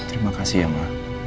terima kasih ya ma